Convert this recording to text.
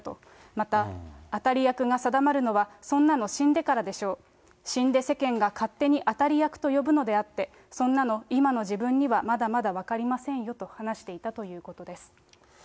また、当たり役が定まるのは、そんなの死んでからでしょう、死んで世間が勝手に当たり役と呼ぶのであって、そんなの今の自分にはまだまだ分かりませんよと話していたということです。